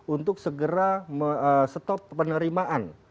untuk segera stop penerimaan